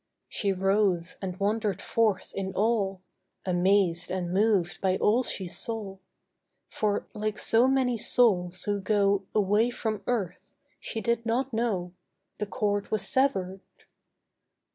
She rose and wandered forth in awe, Amazed and moved by all she saw, For, like so many souls who go Away from earth, she did not know The cord was severed.